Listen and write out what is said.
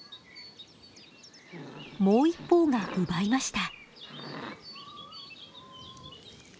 もう一方が奪いました。